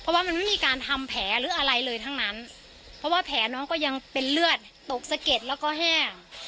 เพราะว่ามันไม่มีการทำแผลหรืออะไรเลยทั้งนั้นเพราะว่าแผลน้องก็ยังเป็นเลือดตกสะเก็ดแล้วก็แห้ง